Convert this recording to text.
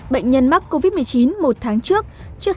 bệnh nhân mắc covid một mươi chín một tháng trước